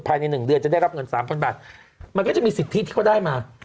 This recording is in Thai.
ภายใน๑เดือนจะได้รับเงิน๓๐๐บาทมันก็จะมีสิทธิที่เขาได้มา